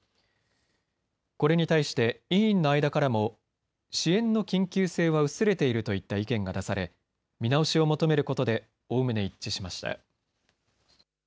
これに対して委員の間からも支援の緊急性は薄れているといった意見が出され見直しを求めることでおおむね一致しました。